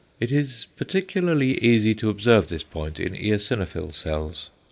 It is particularly easy to observe this point in eosinophil cells.